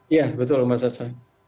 iya betul mbak sasa